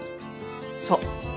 そう。